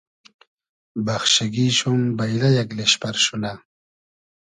بئخشیگی شوم بݷلۂ یئگ لیشپئر شونۂ